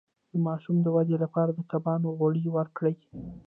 د ماشوم د ودې لپاره د کبانو غوړي ورکړئ